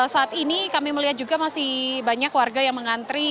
saat ini kami melihat juga masih banyak warga yang mengantri